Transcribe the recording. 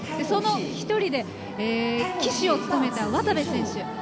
その１人で、旗手を務めた渡部選手。